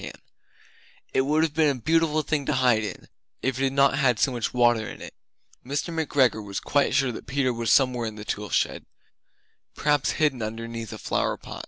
It would have been a beautiful thing to hide in, if it had not had so much water in it. Mr. McGregor was quite sure that Peter was somewhere in the tool shed, perhaps hidden underneath a flower pot.